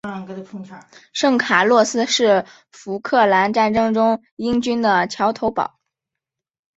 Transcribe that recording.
圣卡洛斯是福克兰战争中英军的桥头堡。